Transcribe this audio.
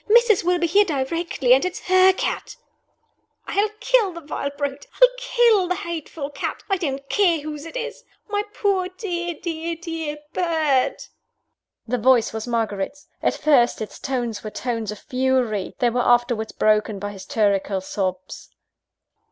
Missus will be here directly; and it's her cat!" "I'll kill the vile brute! I'll kill the hateful cat! I don't care whose it is! my poor dear, dear, dear bird!" The voice was Margaret's. At first, its tones were tones of fury; they were afterwards broken by hysterical sobs.